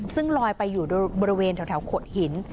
ซึ่งลอยไปอยู่บริเวณแถวโขดหิน